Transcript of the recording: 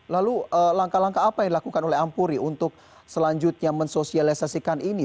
lalu langkah langkah apa yang dilakukan oleh ampuri untuk selanjutnya mensosialisasikan ini